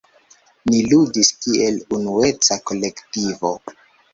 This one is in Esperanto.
Ni ludis kiel unueca kolektivo.